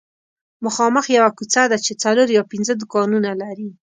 مخامخ یوه کوڅه ده چې څلور یا پنځه دوکانونه لري